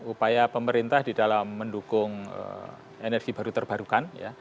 upaya pemerintah di dalam mendukung energi baru terbarukan